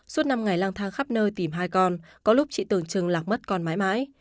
suốt năm ngày lang thang khắp nơi tìm hai con có lúc chị tưởng chừng lạc mất con mãi mãi